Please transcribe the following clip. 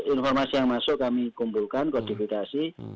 informasi yang masuk kami kumpulkan kodifikasi